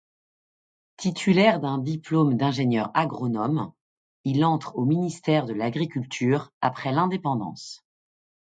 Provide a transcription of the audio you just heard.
Titulaire d'un diplôme d'ingénieur agronome, il entre au ministère de l'Agriculture après l'indépendance.